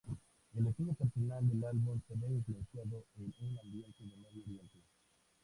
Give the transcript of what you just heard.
El estudio personal del álbum se ve influenciado en un ambiente de Medio Oriente.